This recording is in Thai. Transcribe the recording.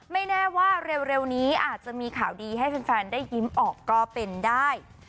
แน่ว่าเร็วนี้อาจจะมีข่าวดีให้แฟนได้ยิ้มออกก็เป็นได้